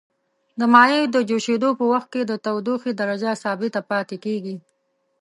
د مایع د جوشیدو په وقت کې د تودوخې درجه ثابته پاتې کیږي.